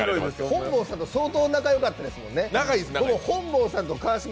本坊さんと相当、仲良かったですもんね。